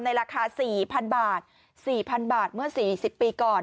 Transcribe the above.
ราคา๔๐๐๐บาท๔๐๐บาทเมื่อ๔๐ปีก่อน